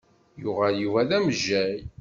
Yuɣal Yuba d amejjay.